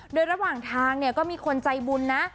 โดยระหว่างทางเนี่ยก็มีคนใจบุญนะ